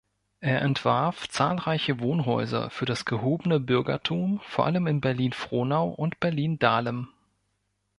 Er entwarf zahlreiche Wohnhäuser für das gehobene Bürgertum vor allem in Berlin-Frohnau und Berlin-Dahlem.